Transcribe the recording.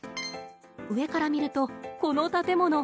上から見るとこの建物。